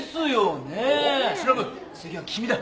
次は君だ。